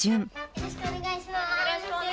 よろしくお願いします。